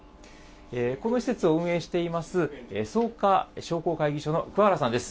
この施設を運営しています、草加商工会議所の桑原さんです。